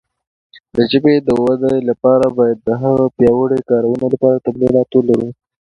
د ژبې د وده لپاره باید د هغه د پیاوړې کارونې لپاره تمرینات ولرو.